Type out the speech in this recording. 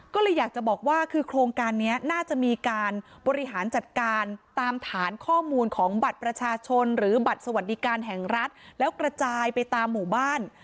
ก็เลยอยากจะบอกว่าคือโครงการนี้น่าจะมีการบริหารจัดการตามฐานข้อมูลของบัตรประชาชนหรือบัตรสวัสดิการแห่งรัฐแล้วกระจายไปตามหมู่บ้าน